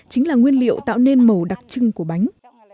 chính là nguyên liệu tạo nên màu đặc trưng của bánh